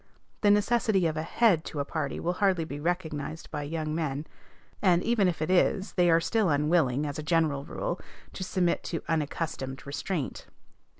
The necessity of a head to a party will hardly be recognized by young men; and, even if it is, they are still unwilling, as a general rule, to submit to unaccustomed restraint.